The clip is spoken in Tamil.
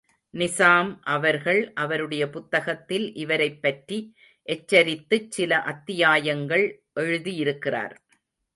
நிசாம் அவர்கள் அவருடைய புத்தகத்தில் இவரைப் பற்றி எச்சரித்துச் சில அத்தியாயங்கள் எழுதியிருக்கிறார்.